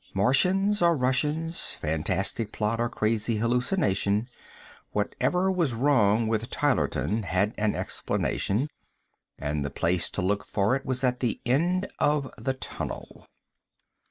Martians or Russians, fantastic plot or crazy hallucination, whatever was wrong with Tylerton had an explanation, and the place to look for it was at the end of the tunnel.